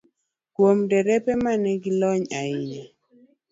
Kuom derepe ma nigi lony ahinya,